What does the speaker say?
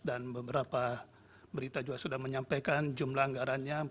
dan beberapa berita juga sudah menyampaikan jumlah anggarannya